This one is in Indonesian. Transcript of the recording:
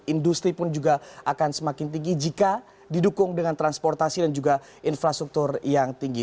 industri pun juga akan semakin tinggi jika didukung dengan transportasi dan juga infrastruktur yang tinggi